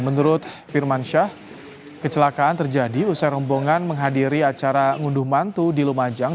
menurut firmansyah kecelakaan terjadi usai rombongan menghadiri acara ngunduh mantu di lumajang